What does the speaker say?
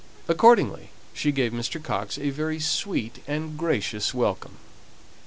Accordingly she gave Mr. Coxe a very sweet and gracious welcome.